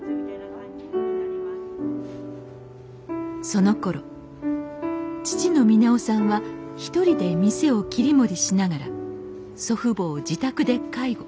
そのころ父の峰雄さんは一人で店を切り盛りしながら祖父母を自宅で介護。